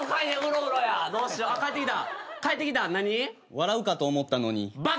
笑うかと思ったのに。